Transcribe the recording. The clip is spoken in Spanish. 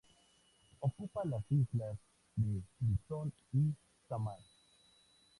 Ocupa las islas de Luzón y Sámar.